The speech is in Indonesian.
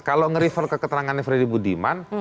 kalau nge refer ke keterangannya freddy budiman